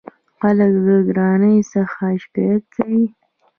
خلک د ګرانۍ څخه شکایت کوي.